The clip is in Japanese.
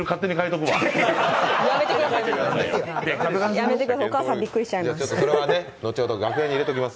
お母さんびっくりしちゃいます。